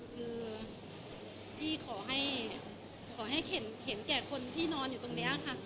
คือพี่ขอให้ขอให้เห็นแก่คนที่นอนอยู่ตรงนี้อ่ะครับ